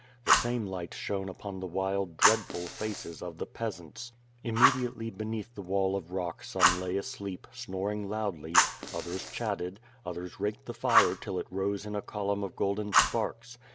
The same light shone upon the wild dreadful faces of the peasants. Immediately beneath the wall of rock some lay asleep, snoring loudly; others chatted; others raked the fire till it rose in a column of golden sparks.